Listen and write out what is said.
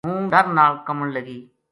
ہوں ڈر نال کَمن لگی